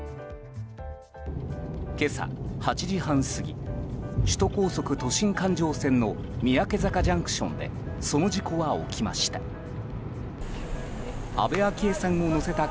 今朝８時半過ぎ首都高速都心環状線の三宅坂ＪＣＴでその事故は起きました。